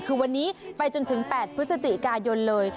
คือวันนี้ไปจนถึง๘พฤศจิกายนเลย